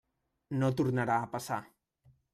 No tornarà a passar.